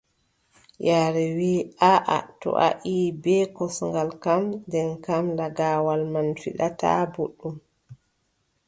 Yaare wii aaʼa, to a ƴiʼi bee kosngal kam, nden kam lagaawal man fiɗataa booɗɗum.